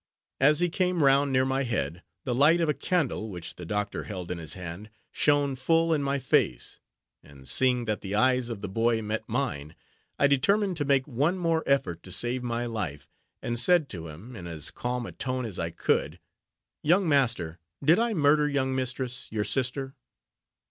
As he came round near my head, the light of a candle, which the doctor held in his hand, shone full in my face, and seeing that the eyes of the boy met mine, I determined to make one more effort to save my life, and said to him, in as calm a tone as I could, "Young master, did I murder young mistress, your sister?"